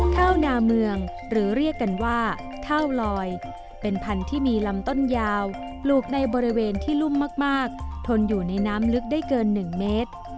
ข้าวนาเมืองหรือเรียกกันว่าข้าวลอยเป็นพันธุ์ที่มีลำต้นยาวปลูกในบริเวณที่รุ่มมากทนอยู่ในน้ำลึกได้เกิน๑เมตร